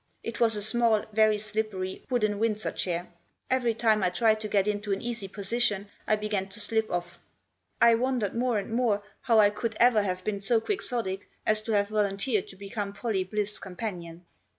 It was a small, very slippery, wooden Windsor chair ; every time I tried to get into an easy position I began to slip off. I wondered more and more how I could ever have been so Quixotic as to have volunteered to become Pollie Blyth's companion.